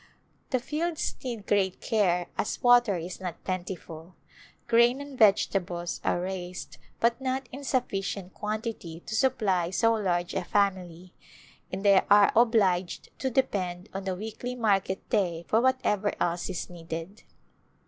The fields need great care as water is not plentiful. Grain and vegetables are raised but not in sufficient quantity to supply so large a family, and they are obliged to depend on the weekly market day for what ever else is needed.